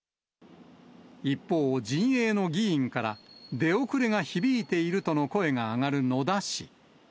一方、陣営の議員から、出遅れが響いているとの声が上がる野田氏。